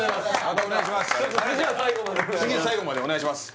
次は最後までお願いします